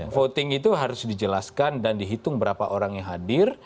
voting itu harus dijelaskan dan dihitung berapa orang yang hadir